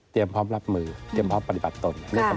คุณผู้ชมนะคะ